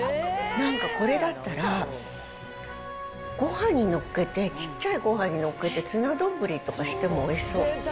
なんかこれだったら、ごはんにのっけて、ちっちゃいごはんにのっけてツナ丼とかしてもおいしそう。